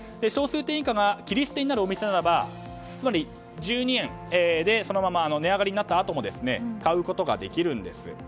小数点以下が切り捨てになるお店ならつまり１２円で、そのまま値上がりになったあとも買うことができるんです。